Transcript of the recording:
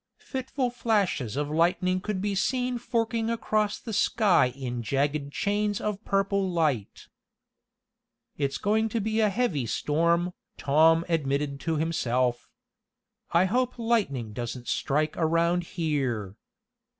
Fitful flashes of lightning could be seen forking across the sky in jagged chains of purple light. "It's going to be a heavy storm," Tom admitted to himself. "I hope lightning doesn't strike around here."